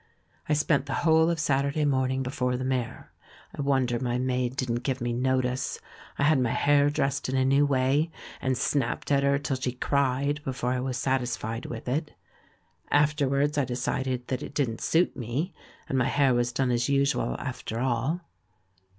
I spent the whole of Sat urday morning before the mirror, I wonder my maid didn't give me notice ; I had my hair dressed in a new way, and snapped at her till she cried before I was satisfied with it. Afterwards I de cided that it didn't suit me, and my hair was done as usual, after all.